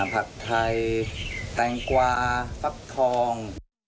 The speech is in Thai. ผัดไทยแตงกวาฟักทอง